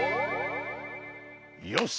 よし。